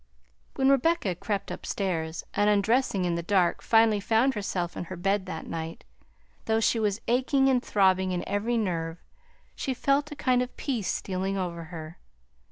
When Rebecca crept upstairs, and undressing in the dark finally found herself in her bed that night, though she was aching and throbbing in every nerve, she felt a kind of peace stealing over her.